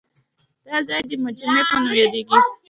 دا ځای د مجمع په نوم یادېږي.